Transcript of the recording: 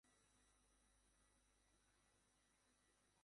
Cook দুই সন্তান এর জনক এবং বর্তমানে তিনি সস্ত্রীক টরেন্টো রয়েছেন।